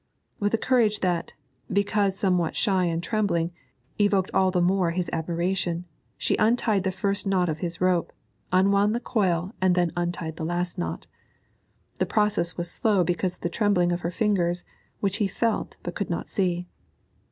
With a courage that, because somewhat shy and trembling, evoked all the more his admiration, she untied the first knot of his rope, unwound the coil, and then untied the last knot. The process was slow because of the trembling of her fingers, which he felt but could not see.